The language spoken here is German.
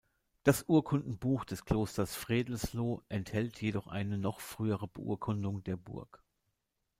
Das Urkundenbuch des Klosters Fredelsloh enthält jedoch eine noch frühere Beurkundung der Burg.